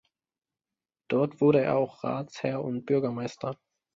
Dort wurde er auch Ratsherr und Bürgermeister.